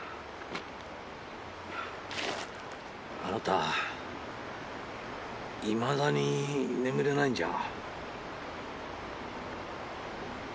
あなた未だに眠れないんじゃ？